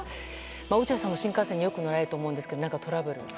落合さんも新幹線によく乗られると思うんですけど何かトラブルって。